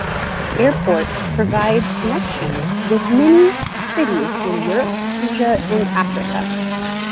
Airport provides connections with many cities in Europe, Asia and Africa.